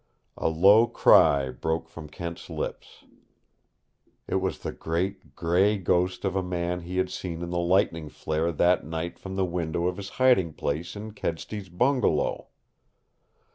A low cry broke from Kent's lips. It was the great, gray ghost of a man he had seen in the lightning flare that night from the window of his hiding place in Kedsty's bungalow.